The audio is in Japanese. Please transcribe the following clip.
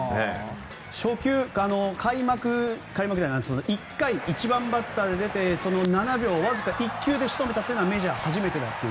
初球、開幕１回、１番バッターで出て７秒、わずか１球で仕留めたというのはメジャー初めてだと。